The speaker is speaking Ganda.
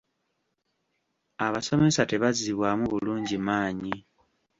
Abasomesa tebazzibwamu bulungi maanyi.